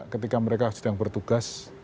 ketika mereka sedang bertugas